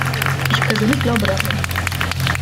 Ich persönlich glaube daran.